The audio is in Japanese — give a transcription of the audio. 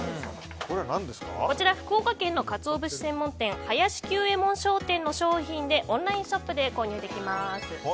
こちら福岡県のカツオ節専門店林久衛門商店の商品でオンラインショップで購入できます。